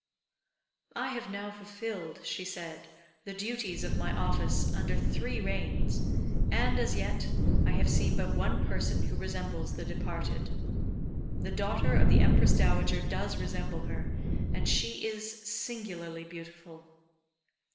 "I have now fulfilled," she said, "the duties of my office under three reigns, and, as yet, I have seen but one person who resembles the departed. The daughter of the Empress Dowager does resemble her, and she is singularly beautiful."